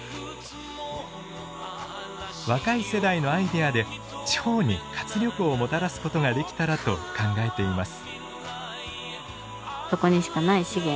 若い世代のアイデアで地方に活力をもたらすことができたらと考えています。